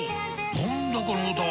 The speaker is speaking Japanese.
何だこの歌は！